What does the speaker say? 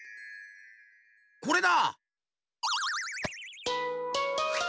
これだ！